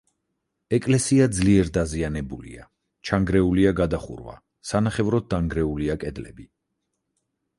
ეკლესია ძლიერ დაზიანებულია: ჩანგრეულია გადახურვა, სანახევროდ დანგრეულია კედლები.